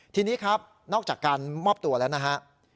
ทีนี้ครับนอกจากการมอบตัวแล้วนะฮะ